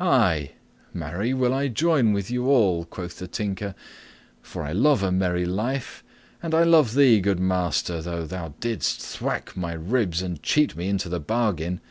"Ay, marry, will I join with you all," quoth the Tinker, "for I love a merry life, and I love thee, good master, though thou didst thwack my ribs and cheat me into the bargain.